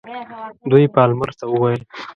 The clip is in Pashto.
دوی پالمر ته وویل.